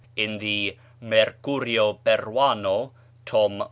In the "Mercurio Peruano" (tom.